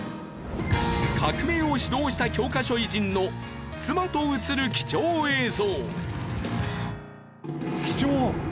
革命を指導した教科書偉人の妻と映る貴重映像。